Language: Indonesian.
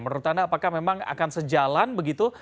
menurut anda apakah memang akan sejalan begitu